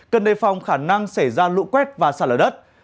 cần đề phòng khả năng xảy ra lũ quét và xả lở đất